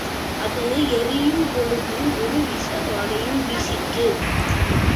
அது எரியும் பொழுது ஒரு விஷ வாடையும் வீசிற்று.